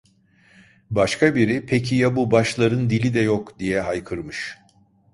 Başka biri: "Peki, ya bu başların dili de yok!" diye haykırmış.